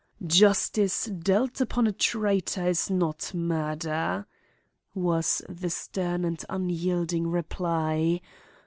"'Justice dealt upon a traitor is not murder,' was the stern and unyielding reply.